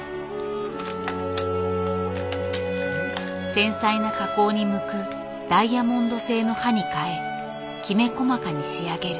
繊細な加工に向くダイヤモンド製の刃に替えきめ細かに仕上げる。